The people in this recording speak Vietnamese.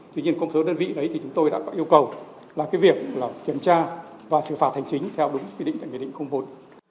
tuy nhiên công số đơn vị đấy thì chúng tôi đã có yêu cầu là cái việc là kiểm tra và xử phạt hành chính theo đúng quy định quy định công hội